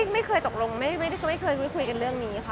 ไม่เคยตกลงไม่เคยคุยกันเรื่องนี้ค่ะ